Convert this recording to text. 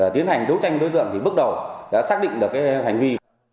tiến hành đấu tranh đối tượng thì bước đầu đã xác định được cái hành vi